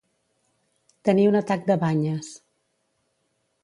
Tenir un atac de banyes.